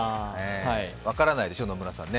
分からないでしょ、野村さんね。